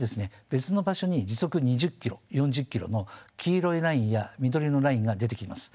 別の場所に時速２０ｋｍ４０ｋｍの黄色いラインや緑のラインが出てきます。